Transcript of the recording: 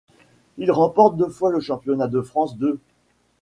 Il remporte deux fois le Championnat de France de.